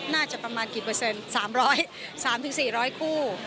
น่าจะประมาณกี่เปอร์เซ็นต์๓๐๓๔๐๐คู่